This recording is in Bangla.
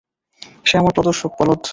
সে আমার প্রদর্শক, বলদ!